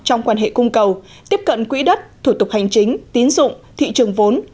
trong quan hệ cung cầu tiếp cận quỹ đất thủ tục hành chính tín dụng thị trường vốn